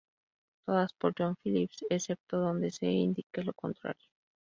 Todas por John Phillips excepto donde se indique lo contrario.